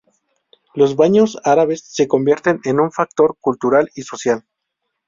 Los baños árabes se convierten en un factor cultural y social.